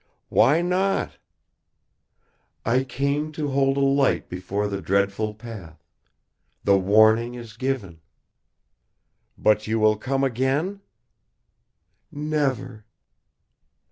"Why not?" "I came to hold a light before the dreadful path. The warning is given." "But you will come again?" "Never."